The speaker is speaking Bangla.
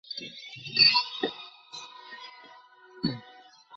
বিক্ষিপ্তভাবে নানান জায়গায় কোয়ালিস্টদের সঙ্গে সংঘর্ষ হচ্ছে।